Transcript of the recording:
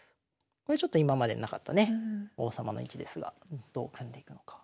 これちょっと今までなかったね王様の位置ですがどう組んでいくのか。